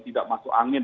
tidak masuk angin